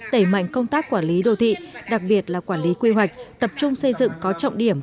đẩy mạnh công tác quản lý đô thị đặc biệt là quản lý quy hoạch tập trung xây dựng có trọng điểm